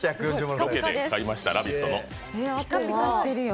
ロケで買いました「ラヴィット！」の。